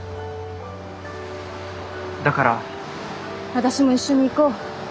私も一緒に行こう。